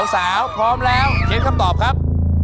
สาวพร้อมแล้วเคล็ดคำตอบครับ